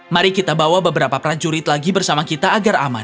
mari kita bawa beberapa prajurit lagi bersama kita agar aman